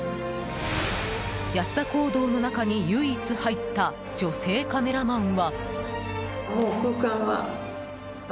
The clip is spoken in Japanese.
安田講堂の中に唯一入った女性カメラマンは。